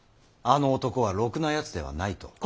あの男はろくなやつではないと。